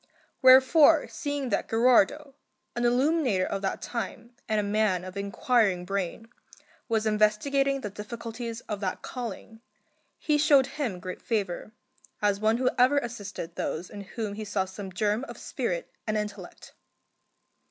Wherefore, seeing that Gherardo, an illuminator of that time and a man of inquiring brain, was investigating the difficulties of that calling, he showed him great favour, as one who ever assisted those in whom he saw some germ of spirit and intellect.